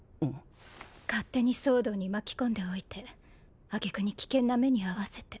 勝手に騒動に巻き込んでおいて揚げ句に危険な目に遭わせて。